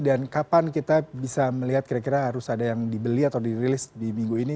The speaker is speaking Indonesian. dan kapan kita bisa melihat kira kira harus ada yang dibeli atau dirilis di minggu ini